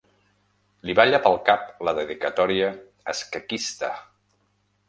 Li balla pel cap la dedicatòria escaquista.